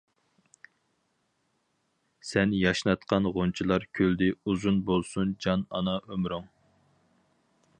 سەن ياشناتقان غۇنچىلار كۈلدى ئۇزۇن بولسۇن جان ئانا ئۆمرۈڭ.